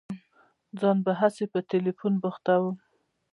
ځان به هسي په ټېلفون بوختوم.